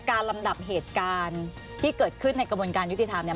ลำดับเหตุการณ์ที่เกิดขึ้นในกระบวนการยุติธรรมเนี่ย